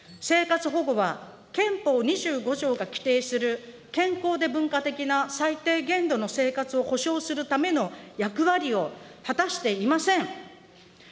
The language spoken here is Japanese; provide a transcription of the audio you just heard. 生活保護は憲法２５条が規定する健康で文化的な最低限度の生活を保障するための役割を果たしていません。